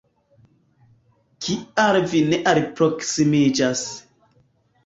Kial vi ne alproksimiĝas?